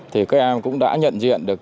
thì các em cũng đã nhận diện được